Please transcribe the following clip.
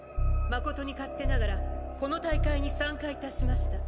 誠に勝手ながらこの大会に参加いたしました。